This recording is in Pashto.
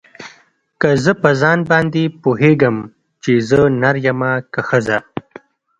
که زه په ځان باندې پوهېږم چې زه نر يمه که ښځه.